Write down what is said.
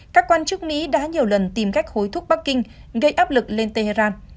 các quan chức mỹ đã nhiều lần tìm cách hối thúc bắc kinh gây áp lực lên tehran